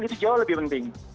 itu jauh lebih penting